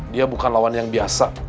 dia bukan lawan yang biasa